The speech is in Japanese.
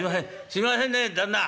すいませんね旦那」。